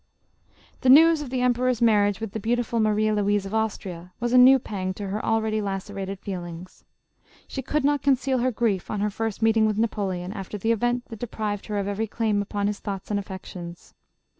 The news of the emperor's marriage with the beau tiful Maria Louise of Austria, was a new pang to her already lacerated feelings. She could not conceal her grief on her first meeting with Napoleon, after the event that deprived her of every claim upon his thoughts and affections.